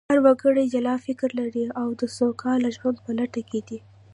هر وګړی جلا فکر لري او د سوکاله ژوند په لټه کې دی